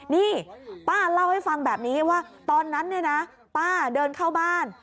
นี่ป้าเล่าให้ฟังแบบนี้ว่าตอนนั้นเนี่ยนะป้าเดินเข้าบ้าน